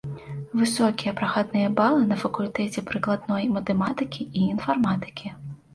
Высокія прахадныя балы на факультэце прыкладной матэматыкі і інфарматыкі.